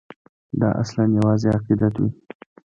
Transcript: دا اصلاً یوازې عقیدت وي.